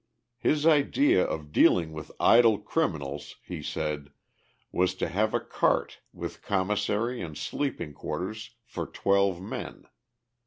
His idea of dealing with idle criminals, he said, was to have a cart, with commissary and sleeping quarters for twelve men.